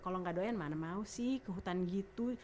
kalau gak doyan mana mau sih ke hutan gitu